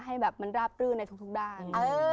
ให้แบบมันราบรื่นในทุกด้าน